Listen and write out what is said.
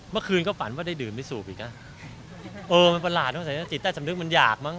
เมื่อคืนก็ฝันว่าได้ดื่มไม่สูบอีกอ่ะเออมันประหลาดสงสัยจิตใต้สำนึกมันอยากมั้